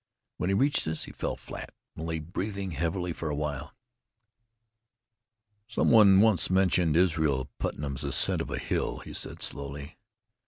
When he reached us, he fell flat, and lay breathing heavily for a while. "Somebody once mentioned Israel Putnam's ascent of a hill," he said slowly.